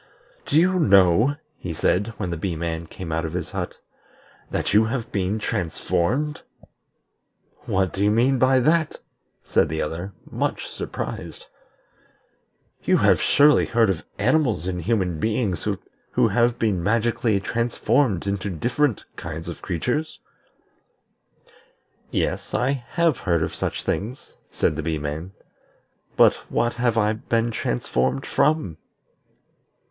"Do you know," he said, when the Bee man came out of his hut, "that you have been transformed?" "What do you mean by that?" said the other, much surprised. "You have surely heard of animals and human beings who have been magically transformed into different kinds of creatures?" "Yes, I have heard of these things," said the Bee man; "but what have I been transformed from?"